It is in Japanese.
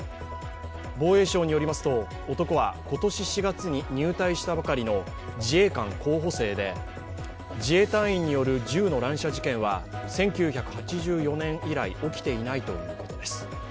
防衛省によりますと男は今年４月に入隊したばかりの自衛官候補生で自衛隊員による銃の乱射事件は１９８４年以来、起きていないということです。